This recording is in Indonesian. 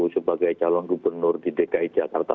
sebagai calon gubernur di dki jakarta